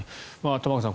玉川さん